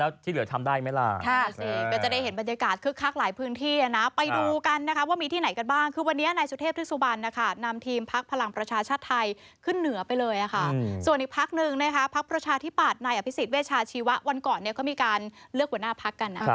คำถามคือคนหนึ่งทำได้แล้วที่เหลือทำได้ไหมล่ะ